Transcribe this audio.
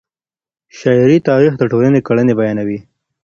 شعري تاریخ د ټولني کړنې بیانوي.